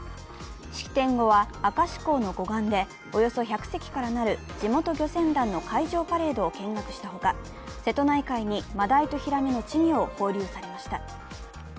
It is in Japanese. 式典後は明石港の護岸で、およそ１００隻からなる地元漁船団の海上パレードを見学したほか、瀬戸内海にマダイとヒラメの稚魚を放流されました。